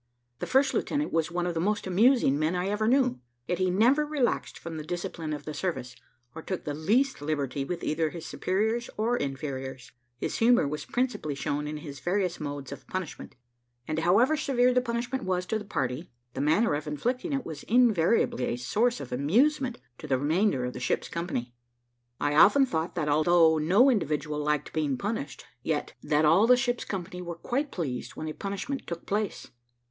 The first lieutenant was one of the most amusing men I ever knew, yet he never relaxed from the discipline of the service, or took the least liberty with either his superiors or inferiors. His humour was principally shown in his various modes of punishment; and, however severe the punishment was to the party, the manner of inflicting it was invariably a source of amusement to the remainder of the ship's company. I often thought, that although no individual liked being punished, yet, that all the ship's company were quite pleased when a punishment took place.